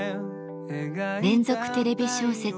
連続テレビ小説